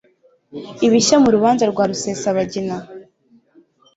Ibishya mu rubanza rwa Rusesabagina